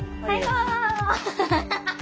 ハハハハ！